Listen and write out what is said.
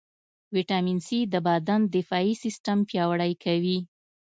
ويټامين C د بدن دفاعي سیستم پیاوړئ کوي.